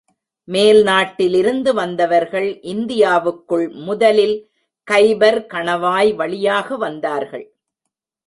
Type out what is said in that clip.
மேல் நாட்டிலிருந்து வந்தவர்கள் இந்தியாவுக்குள் முதலில் கைபர் கணவாய் வழியாக வந்தார்கள்.